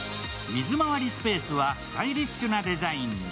水回りスペースはスタイリッシュなデザインに。